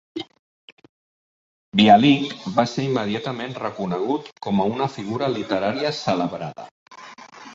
Bialik va ser immediatament reconegut com a una figura literària celebrada.